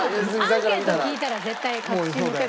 アンケート聞いたら絶対確信持てる。